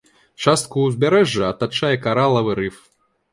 Частку ўзбярэжжа атачае каралавы рыф.